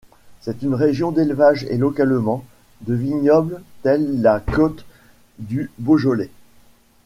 C'est une région d'élevage et localement, de vignobles tels la côte du Beaujolais.